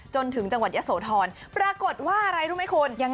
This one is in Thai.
จนถึงจังหวัดยะโสธรปรากฏว่าอะไรรู้ไหมคุณ